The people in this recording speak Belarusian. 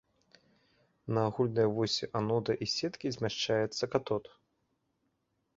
На агульнай восі анода і сеткі змяшчаецца катод.